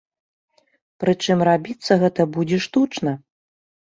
Прычым рабіцца гэта будзе штучна.